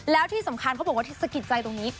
แล้วที่สำคัญก็พูดว่าที่ถึงสะกิดใจตรงนี้